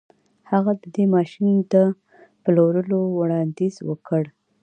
هغه د دې ماشين د پلورلو وړانديز وکړ.